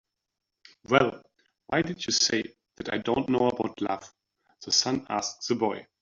"Well, why did you say that I don't know about love?" the sun asked the boy.